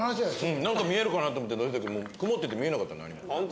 何か見えるかなと思って曇ってて見えなかった。